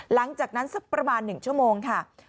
หลังจากนั้นสักประมาณ๑ชั่วโมงค่ะ